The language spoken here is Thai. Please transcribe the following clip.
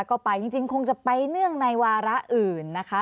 ก็ไปจริงคงจะไปเนื่องในวาระอื่นนะคะ